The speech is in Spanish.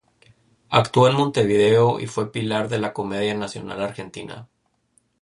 Actuó en Montevideo y fue pilar de la Comedia Nacional Argentina.